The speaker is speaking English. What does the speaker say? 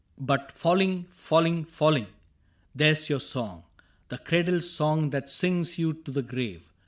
" But ' falling, falling, falling/ There *s your song. The cradle song that sings you to the grave.